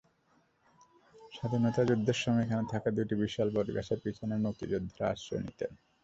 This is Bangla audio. স্বাধীনতাযুদ্ধের সময় এখানে থাকা দুটি বিশাল বটগাছের পেছনে মুক্তিযোদ্ধারা আশ্রয় নিতেন।